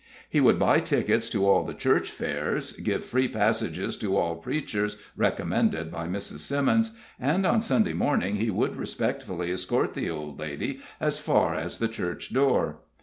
He would buy tickets to all the church fairs, give free passages to all preachers recommended by Mrs. Simmons, and on Sunday morning he would respectfully escort the old lady as far as the church door.